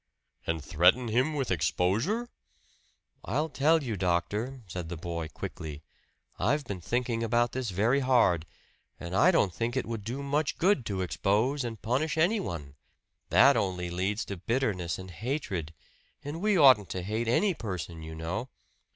"And threaten him with exposure?" "I'll tell you, doctor," said the boy quickly. "I've been thinking about this very hard; and I don't think it would do much good to expose and punish any one. That only leads to bitterness and hatred and we oughtn't to hate any person, you know."